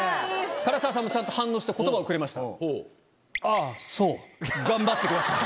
唐沢さんもちゃんと反応して言葉をくれました。